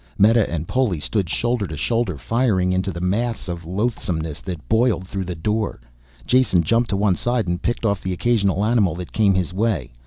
Meta and Poli stood shoulder to shoulder firing into the mass of loathsomeness that boiled through the door. Jason jumped to one side and picked off the occasional animal that came his way.